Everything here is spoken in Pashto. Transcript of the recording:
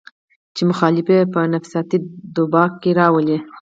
چې مخالف پۀ نفسياتي دباو کښې راولي